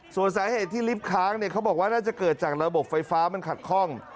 ส่วนสาเหตุที่ลิฟต์ค้างเขาบอกว่าน่าจะเกิดจากระบบไฟฟ้ามันขัดข้อง